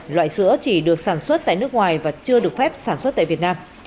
loại sữa chỉ được sản xuất tại nước ngoài và chưa được phép sản xuất tại việt nam